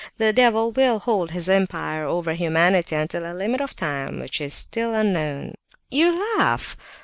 The devil will hold his empire over humanity until a limit of time which is still unknown. You laugh?